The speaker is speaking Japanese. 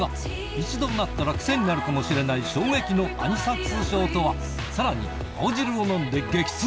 一度なったら癖になるかもしれない衝撃のアニサキス症とは⁉さらに青汁を飲んで激痛！